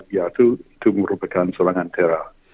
yaitu itu merupakan serangan teror